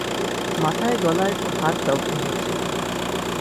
মাথায়, গলায় ও হাত দগ্ধ হয়েছে।